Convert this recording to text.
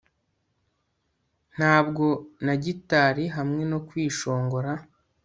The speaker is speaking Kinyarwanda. Ntabwo na gitari hamwe no kwishongora